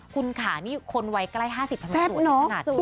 คุณขานี่คนวัยใกล้๕๐ทำให้สวยดีขนาดนี้